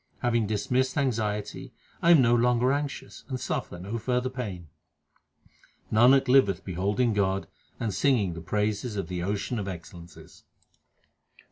Having dismissed anxiety I am no longer anxious, and suffer no further pain. Nanak liveth beholding God and singing the praises of the Ocean of excellences.